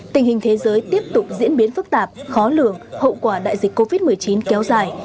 tình hình thế giới tiếp tục diễn biến phức tạp khó lường hậu quả đại dịch covid một mươi chín kéo dài